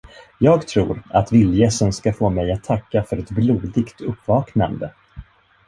Jag tror, att vildgässen ska få mig att tacka för ett blodigt uppvaknande.